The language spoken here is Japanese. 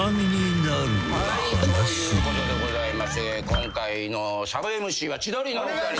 今回のサブＭＣは千鳥のお二人。